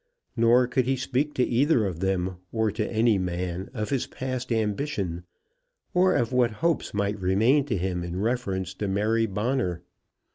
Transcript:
Nor could he speak to either of them or to any man of his past ambition, or of what hopes might remain to him in reference to Mary Bonner.